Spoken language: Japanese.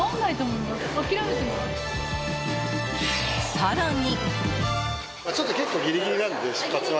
更に。